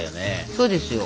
そうですよ。